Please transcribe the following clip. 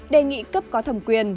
đề nghị cấp có thẩm quyền